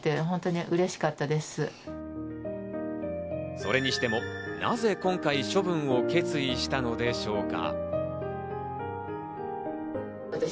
それにしても、なぜ今回処分を決意したのでしょうか。